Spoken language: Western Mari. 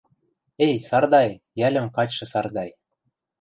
Эй, Сардай, йӓлӹм качшы Сардай...